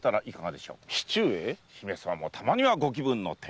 姫様もたまにはご気分の転換を。